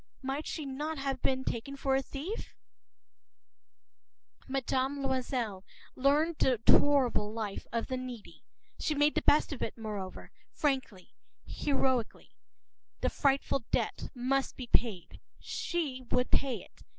Might she not have been taken for a thief?<INT>Mme. Loisel learned the horrible life of the needy. She made the best of it, moreover, frankly, heroically. The frightful debt must be paid. She would pay it.